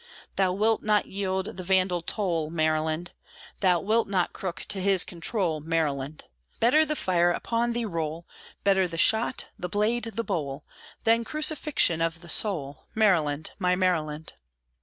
Thou wilt not yield the Vandal toll, Maryland! Thou wilt not crook to his control, Maryland! Better the fire upon thee roll, Better the shot, the blade, the bowl, Than crucifixion of the soul, Maryland, my Maryland!